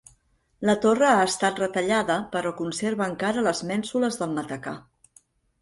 La torre ha estat retallada però conserva encara les mènsules del matacà.